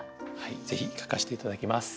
ぜひ書かせて頂きます。